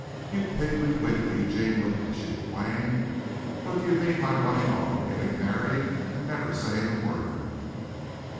"You piggy wiggy Eugene Witla," she exclaimed. "What do you mean by running off and getting married and never saying a word.